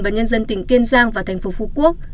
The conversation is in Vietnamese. và nhân dân tỉnh kiên giang và thành phố phú quốc